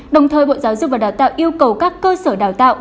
đồng thời bộ giáo dục và đào tạo yêu cầu các cơ sở đào tạo